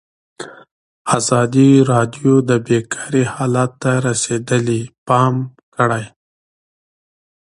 ازادي راډیو د بیکاري حالت ته رسېدلي پام کړی.